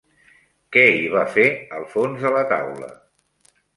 Què hi va fer al fons de la taula?